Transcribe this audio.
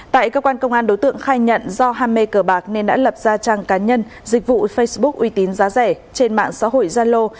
tại cơ quan công an đối tượng khai nhận do ham mê cờ bạc nên đã lập ra trang cá nhân dịch vụ facebook uy tín giá rẻ trên mạng xã hội gia lô